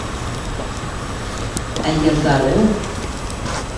Ә йырҙары?